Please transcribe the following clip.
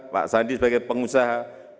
pak sandi sebagai pengusaha